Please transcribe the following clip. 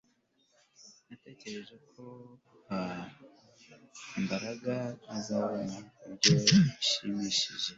Natekereje ko Mbaraga azabona ibyo bishimishije